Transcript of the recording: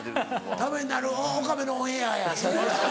ためになる岡部のオンエアや。